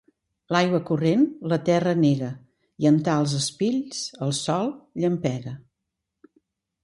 L'aigua corrent la terra nega, i en tals espills el sol llampega.